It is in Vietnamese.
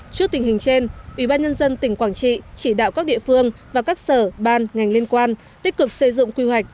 trước tình hình trên ubnd tỉnh quảng trị chỉ đạo các địa phương và các sở ban ngành liên quan tích cực sử dụng quy hoạch